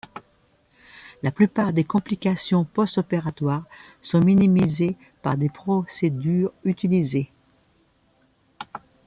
La plupart des complications post-opératoire sont minimisées par les procédures utilisées.